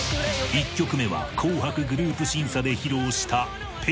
１曲目は紅白グループ審査で披露した